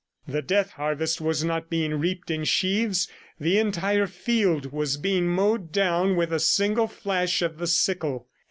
The death harvest was not being reaped in sheaves; the entire field was being mowed down with a single flash of the sickle.